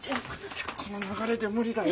この流れで無理だよ。